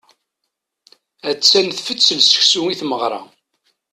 Attan tfettel seksu i tmeɣra.